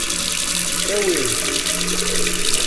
Awim-t.